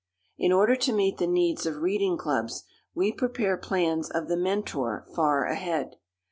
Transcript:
In order to meet the needs of reading clubs we prepare plans of The Mentor far ahead.